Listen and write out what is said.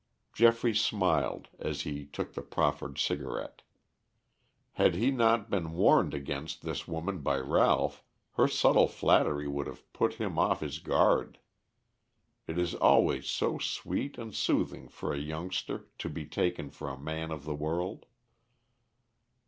Geoffrey smiled, as he took the proffered cigarette. Had he not been warned against this woman by Ralph, her subtle flattery would have put him off his guard. It is always so sweet and soothing for a youngster to be taken for a man of the world.